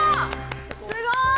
すごい！